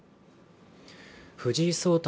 藤井聡太